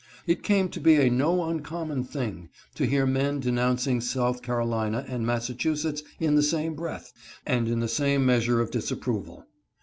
It came to be a no uncommon thing to hear men denouncing South Carolina and Massachu setts in the same breath, and in the same measure of disapproval.